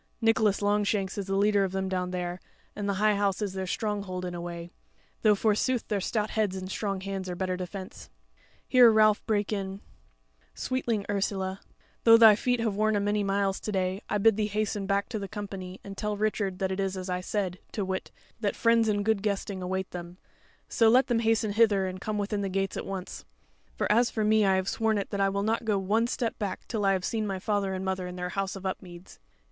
Nicholas Longshanks is the leader of them down there, and the High House is their stronghold in a way; though forsooth their stout heads and strong hands are better defence." Here Ralph brake in: "Sweetling Ursula, though thy feet have worn a many miles to day, I bid thee hasten back to the company and tell Richard that it is as I said, to wit, that friends, and good guesting await them; so let them hasten hither and come within gates at once. For as for me, I have sworn it that I will not go one step back till I have seen my father and mother in their house of Upmeads.